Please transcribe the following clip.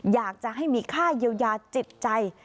อยากจะให้มีค่าเยียวยาจิตใจ